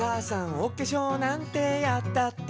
「おけしょうなんてやったって」